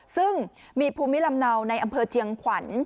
ซึ่งมีภูมิลำเนาในอำเภอเจียงขวัญ